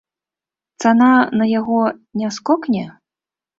Цана на яго не скокне?